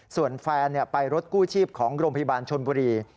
ส่วนแฟนไปรถกู้ชีพของโรงพยาบาลชนบุรี